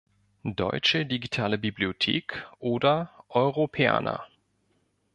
Deutsche Digitale Bibliothek oder Europeana.